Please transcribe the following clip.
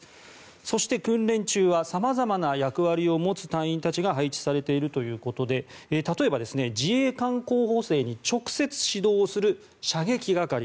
そして、訓練中は様々な役割を持つ隊員たちが配置されているということで例えば自衛官候補生に直接指導をする射撃係。